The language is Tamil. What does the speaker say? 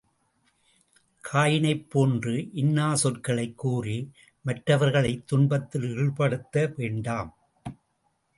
காயினைப் போன்ற இன்னாச் சொற்களைக் கூறி மற்றவர்களைத் துன்பத்தில் ஈடுபடுத்த வேண்டாம்!